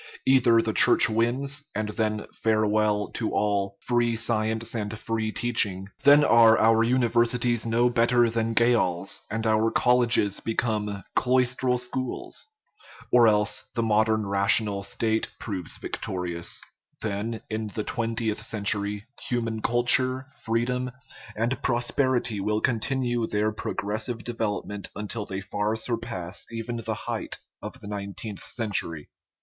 Either the Church wins, and then farewell to all " free science and free teaching " then are our universities no better than jails, and our colleges become cloistral schools; or else the modern rational State proves victorious then, in the twentieth century, human culture, freedom, and prosperity will continue their progressive development 335 THE RIDDLE OF THE UNIVERSE until they far surpass even the height of the nineteenth century.